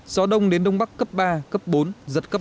gió đông đến đông bắc cấp ba cấp bốn giật cấp năm